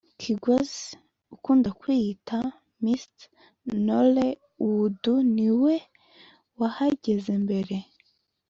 Kigosi ukunda kwiyita Mr Nollywood ni we wahageze mbere